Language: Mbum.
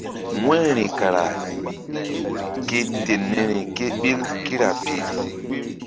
Wu̧yri kara ke ten niri ke ɓil kira pi.